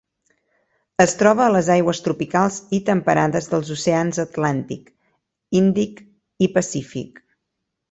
Es troba a les aigües tropicals i temperades dels oceans Atlàntic, Índic i Pacífic.